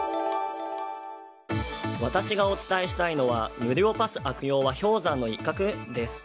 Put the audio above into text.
私がお伝えしたいのは無料パス悪用は氷山の一角？です。